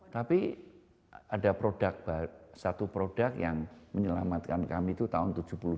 tapi ada produk satu produk yang menyelamatkan kami itu tahun seribu sembilan ratus delapan puluh